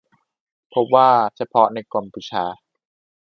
พบว่าเฉพาะในกัมพูชา